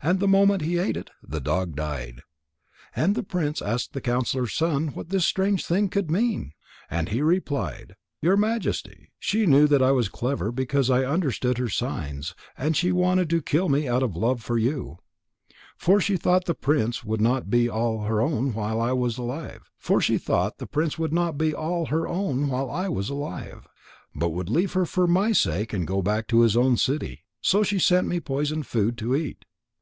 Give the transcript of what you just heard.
And the moment he ate it, the dog died. And the prince asked the counsellor's son what this strange thing could mean. And he replied: "Your Majesty, she knew that I was clever because I understood her signs, and she wanted to kill me out of love for you. For she thought the prince would not be all her own while I was alive, but would leave her for my sake and go back to his own city. So she sent me poisoned food to eat.